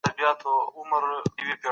ستره شورا تل ملي ارزښتونه لمانځي.